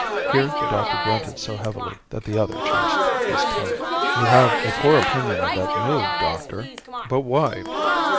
Here the doctor grunted so heavily that the other changed his tone. "You have a poor opinion of that move, doctor? But why?